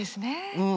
うん。